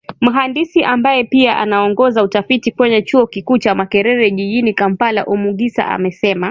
Mhandisi ambaye pia anaongoza utafiti kwenye chuo kikuu cha Makerere jijini Kampala Omugisa amesema